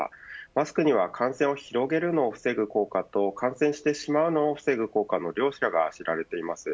マスクには感染を広げるのを防ぐ効果と感染を防ぐ効果の両者が知られています。